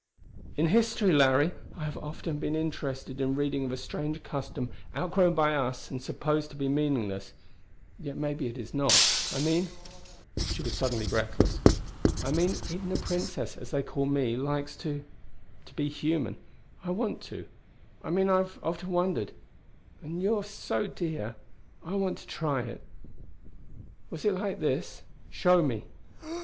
"In history, Larry, I have often been interested in reading of a strange custom outgrown by us and supposed to be meaningless. Yet maybe it is not. I mean " She was suddenly breathless. "I mean even a Princess, as they call me, likes to to be human. I want to I mean I've often wondered and you're so dear I want to try it. Was it like this? Show me."